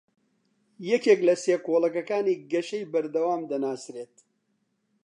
یەکێک لە سێ کۆڵەکەکانی گەشەی بەردەوام دەناسرێت